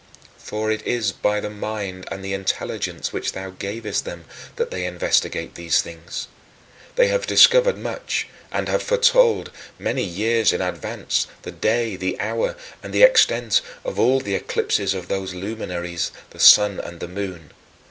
4. For it is by the mind and the intelligence which thou gavest them that they investigate these things. They have discovered much; and have foretold, many years in advance, the day, the hour, and the extent of the eclipses of those luminaries, the sun and the moon.